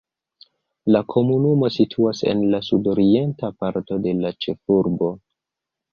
La komunumo situas en la sudorienta parto de la ĉefurbo.